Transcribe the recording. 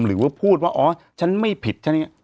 หรือว่าพูดว่าอ๋อฉันไม่ผิด